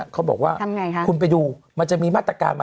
เขาบอกว่าคุณไปดูมันจะมีมาตรการมา